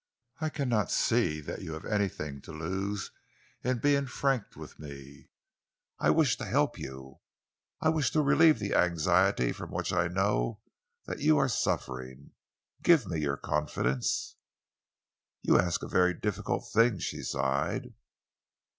I cannot see that you have anything to lose in being frank with me. I wish to help you. I wish to relieve the anxiety from which I know that you are suffering. Give me your confidence." "You ask a very difficult thing," she sighed.